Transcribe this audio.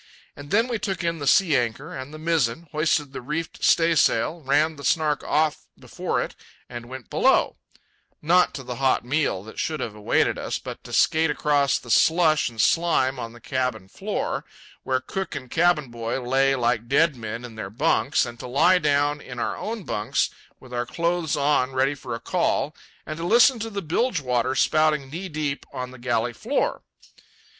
And then we took in the sea anchor and the mizzen, hoisted the reefed staysail, ran the Snark off before it, and went below—not to the hot meal that should have awaited us, but to skate across the slush and slime on the cabin floor, where cook and cabin boy lay like dead men in their bunks, and to lie down in our own bunks, with our clothes on ready for a call, and to listen to the bilge water spouting knee high on the galley floor.